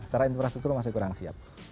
secara infrastruktur masih kurang siap